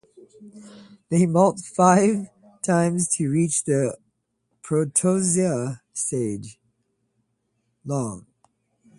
They molt five times to reach the protozoea stage, long.